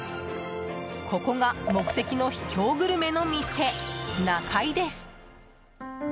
ここが目的の秘境グルメの店なかいです！